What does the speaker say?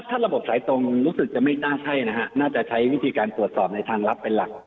ถ้าระบบสายตรงรู้สึกจะไม่น่าใช่นะฮะน่าจะใช้วิธีการตรวจสอบในทางลับเป็นหลัก